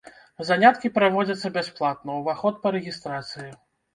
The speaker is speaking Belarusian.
Заняткі праводзяцца бясплатна, уваход па рэгістрацыі.